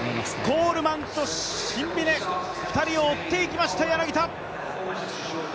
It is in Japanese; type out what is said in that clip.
コールマンとシンビネ２人を追っていきました、柳田。